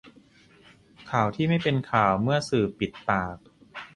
ข่าวที่ไม่เป็นข่าวเมื่อสื่อปิดปาก